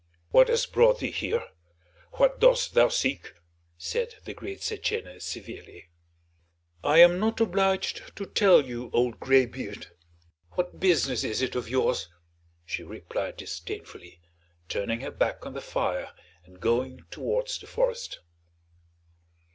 "What has brought thee here? What dost thou seek?" said the great Setchène severely. "I am not obliged to tell you, old graybeard; what business is it of yours?" she replied disdainfully, turning her back on the fire and going towards the forest.